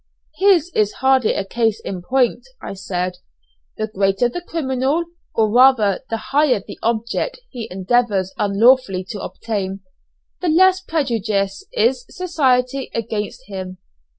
"His is hardly a case in point," I said; "the greater the criminal, or rather the higher the object he endeavours unlawfully to obtain, the less prejudiced is society against him.